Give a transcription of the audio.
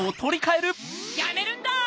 やめるんだ！